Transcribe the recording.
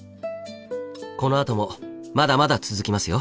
このあともまだまだ続きますよ。